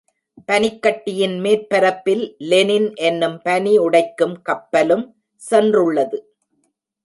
பனிக்கட்டியின் மேற்பரப்பில் லெனின் என்னும் பனி உடைக்கும் கப்பலும் சென்றுள்ளது.